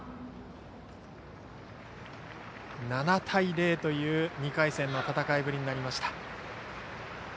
７対０という２回戦の戦いぶりになりました。